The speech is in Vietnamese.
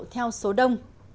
theo số đông